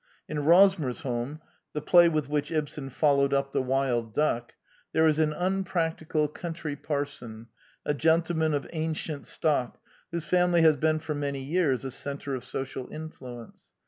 In Rosmersholm, the play with which Ibsen followed up The Wild Duck, there is an unpractical country parson, a gentleman of ancient stock, whose family has been for many years a centre of social influence.